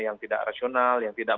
yang tidak rasional yang tidak